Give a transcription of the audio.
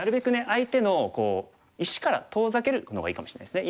相手の石から遠ざけるのがいいかもしれないですね。